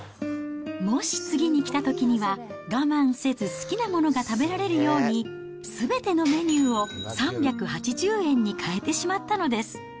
もし次に来たときには、我慢せず好きなものが食べられるように、すべてのメニューを３８０円に変えてしまったのです。